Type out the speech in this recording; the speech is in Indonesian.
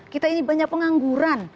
kita ini banyak pengangguran